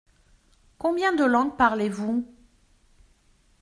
Combien de langues parlez-vous ?